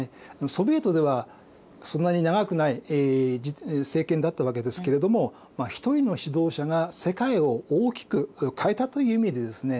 ソビエトではそんなに長くない政権だったわけですけれども一人の指導者が世界を大きく変えたという意味でですね